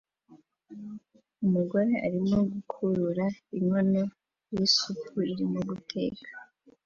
Umugore arimo gukurura inkono y'isupu irimo guteka